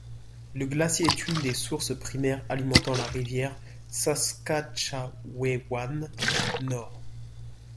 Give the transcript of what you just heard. Le glacier est une des sources primaires alimentant la rivière Saskatchewan Nord.